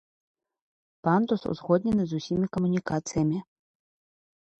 Пандус узгоднены з усімі камунікацыямі.